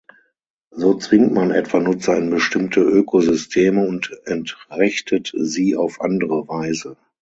So zwingt man etwa Nutzer in bestimmte Ökosysteme und entrechtet sie auf andere Weise.